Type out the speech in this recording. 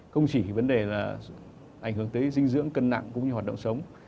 không chỉ vấn đề là ảnh hưởng tới dinh dưỡng cân nặng cũng như hoạt động sống